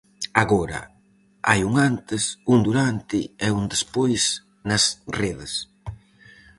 Agora, hai un antes, un durante e un despois nas redes.